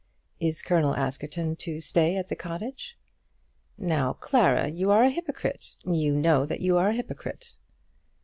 Is Colonel Askerton to stay at the cottage?" "Now, Clara, you are a hypocrite. You know that you are a hypocrite."